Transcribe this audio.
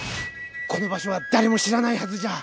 この場所は誰も知らないはずじゃ。